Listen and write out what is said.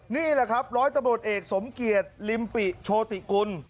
นี่แหละครับร้อยตำรวจเอกสมเกียจลิมปิโชติกุล